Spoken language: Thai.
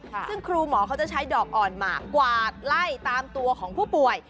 ซึ่งครูหมอเขาจะใช้ดอกอ่อนหมากกวาดไล่ตามตัวของผู้ป่วย